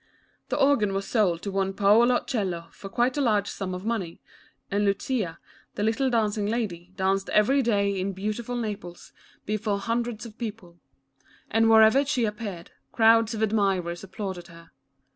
The organ w^as sold to one Paolo Cello for quite a large sum of money, and Lucia, the little dancing lady, danced every day in beautiful Lucia, the Organ Maiden. 8i Naples, before hundreds of people. And wherever she appeared, crowds of admirers applauded her.